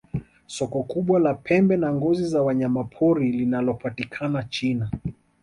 soko kubwa la pembe na ngozi za wanyamapori linalopatikana china